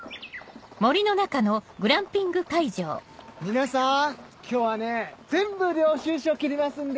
皆さん今日はね全部領収書切りますんで！